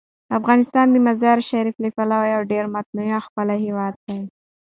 افغانستان د مزارشریف له پلوه یو ډیر متنوع او ښکلی هیواد دی.